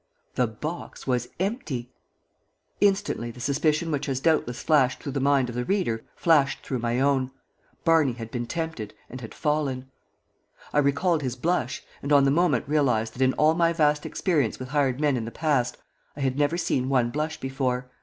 The box was empty! Instantly the suspicion which has doubtless flashed through the mind of the reader flashed through my own Barney had been tempted, and had fallen. I recalled his blush, and on the moment realized that in all my vast experience with hired men in the past I had never seen one blush before.